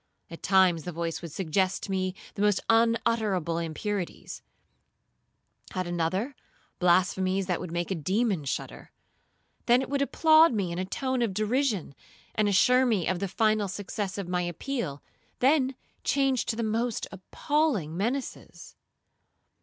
At times the voice would suggest to me the most unutterable impurities,—at another, blasphemies that would make a demon shudder. Then it would applaud me in a tone of derision, and assure me of the final success of my appeal, then change to the most appalling menaces.